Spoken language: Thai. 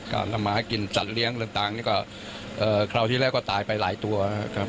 ทำมากินสัตว์เลี้ยงต่างนี่ก็คราวที่แรกก็ตายไปหลายตัวครับ